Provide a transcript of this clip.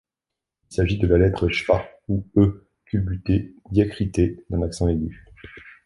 Il s’agit de la lettre schwa ou E culbuté diacritée d’un accent aigu.